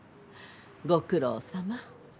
ご苦労さま。